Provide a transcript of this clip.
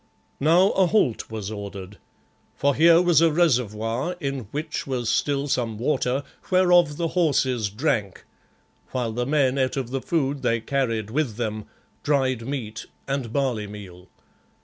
Now a halt was ordered, for here was a reservoir in which was still some water, whereof the horses drank, while the men ate of the food they carried with them; dried meat and barley meal.